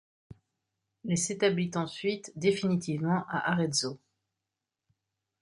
Il s'établit ensuite définitivement à Arezzo.